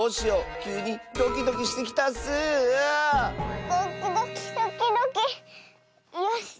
よし。